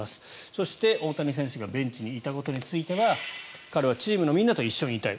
そして、大谷選手がベンチにいたことについては彼はチームのみんなと一緒にいたい